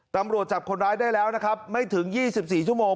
ตำรวจจับคนร้ายได้แล้วนะครับไม่ถึง๒๔ชั่วโมง